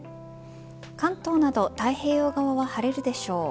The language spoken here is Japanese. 関東など太平洋側は晴れるでしょう。